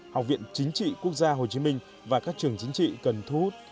học viện chính trị quốc gia hồ chí minh và các trường chính trị cần thu hút